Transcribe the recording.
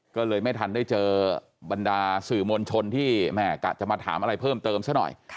ก็เลยไม่ทันได้เจอบรรดาสื่อมวลชนที่แม่กะจะมาถามอะไรเพิ่มเติมซะหน่อย